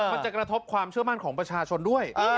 มันจะกระทบความเชื่อมั่นของประชาชนด้วย